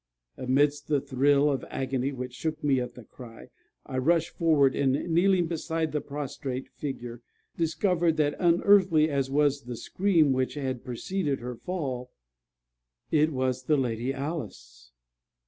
Amidst the thrill of agony which shook me at the cry, I rushed forward, and, kneeling beside the prostrate figure, discovered that, unearthly as was the scream which had preceded her fall, it was the Lady Alice.